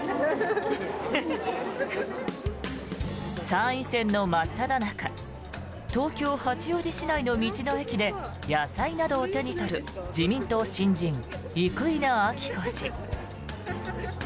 参院選の真っただ中東京・八王子市内の道の駅で野菜などを手に取る自民党新人、生稲晃子氏。